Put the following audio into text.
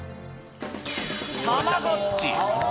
たまごっち。